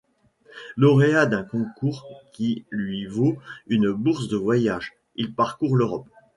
Lauréat d'un concours qui lui vaut une bourse de voyage, il parcourt l'Europe.